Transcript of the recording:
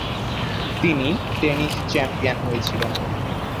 তিনি tennis champion হয়েছিলেন।